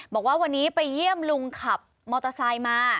บอกว่าวันนี้ไปเยี่ยมลุงขับมอเตอร์ไซค์มา